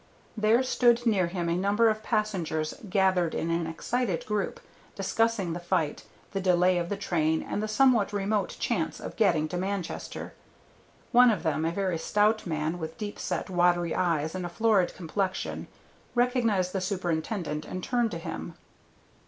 There stood near him a number of passengers gathered in an excited group, discussing the fight, the delay of the train, and the somewhat remote chance of getting to Manchester. One of them, a very stout man with deep set, watery eyes and a florid complexion, recognized the Superintendent and turned to him.